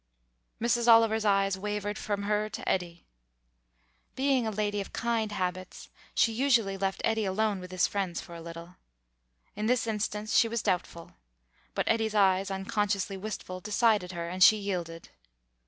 Mrs. Oliver's eyes wavered from her to Eddy. Being a lady of kind habits, she usually left Eddy alone with his friends for a little. In this instance she was doubtful; but Eddy's eyes, unconsciously wistful, decided her, and she yielded.